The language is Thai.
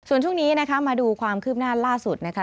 ส่วนช่วงนี้นะคะมาดูความคืบหน้าล่าสุดนะคะ